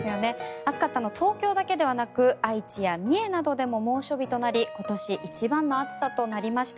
暑かったのは東京だけではなく愛知や三重などでも猛暑日となり今年一番の暑さとなりました。